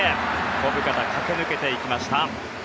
小深田、駆け抜けていきました。